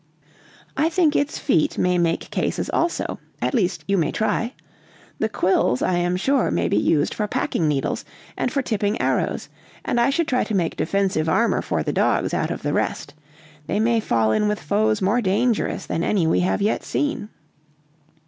"I think its feet may make cases also; at least, you may try. The quills, I am sure, may be used for packing needles, and for tipping arrows, and I should try to make defensive armor for the dogs out of the rest. They may fall in with foes more dangerous than any we have yet seen."